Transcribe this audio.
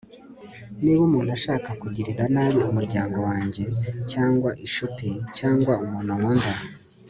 niba umuntu ashaka kugirira nabi umuryango wanjye cyangwa inshuti cyangwa umuntu nkunda